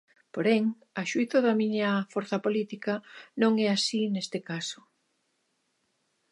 Porén, a xuízo da miña forza política, non é así neste caso.